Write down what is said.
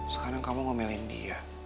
sekarang kamu ngomelin dia